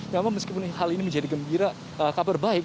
namun meskipun hal ini menjadi gembira kabar baik